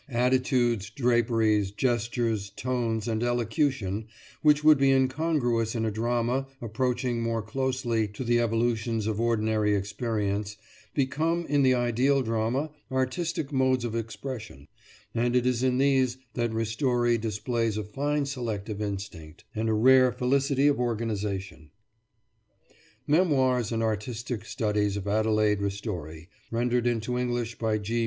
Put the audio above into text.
Attitudes, draperies, gestures, tones, and elocution which would be incongruous in a drama approaching more closely to the evolutions of ordinary experience, become, in the ideal drama, artistic modes of expression; and it is in these that Ristori displays a fine selective instinct, and a rare felicity of organisation." "Memoirs and Artistic Studies of Adelaide Ristori," rendered into English by G.